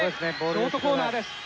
ショートコーナーです。